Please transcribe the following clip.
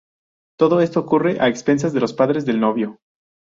Todo esto ocurre a expensas de los padres del novio.